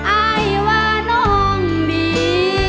อายว่าน้องมี